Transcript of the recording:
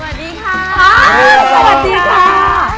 รักเหรอกาลจีบรัก